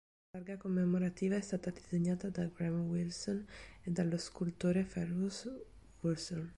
La targa commemorativa è stata disegnata da Graeme Wilson e dallo scultore Fergus Wessel.